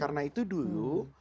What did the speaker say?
karena itu dulu